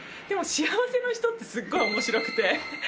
でも幸せな人ってすごい面白くて。